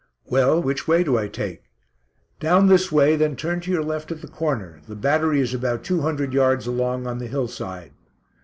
"Well, which way do I take?" "Down this way, then turn to your left at the corner; the battery is about two hundred yards along on the hill side."